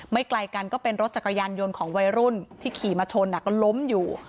ไกลกันก็เป็นรถจักรยานยนต์ของวัยรุ่นที่ขี่มาชนก็ล้มอยู่